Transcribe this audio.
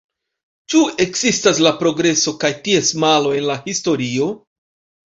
Ĉu ekzistas la progreso kaj ties malo en la historio?